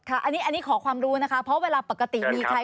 อันนี้ขอความรู้นะคะเพราะเวลาปกติมีใคร